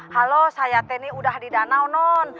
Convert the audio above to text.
halo saya teni udah di danau non